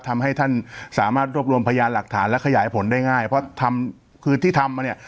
ทำให้ท่านสามารถรวบรวมพยานหลักฐานและขยายผลได้ง่ายเพราะทำคือที่ทำมาเนี่ย